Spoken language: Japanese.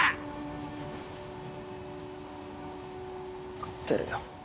分かってるよ